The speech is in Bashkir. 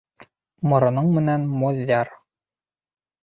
Мороноң менән моҙяр.